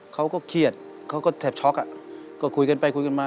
เขาก็เครียดเขาก็แทบช็อกอ่ะก็คุยกันไปคุยกันมา